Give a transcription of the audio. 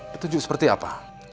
petunjuk seperti apa